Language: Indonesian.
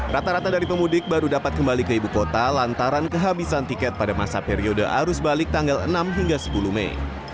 rata rata dari pemudik baru dapat kembali ke ibu kota lantaran kehabisan tiket pada masa periode arus balik tanggal enam hingga sepuluh mei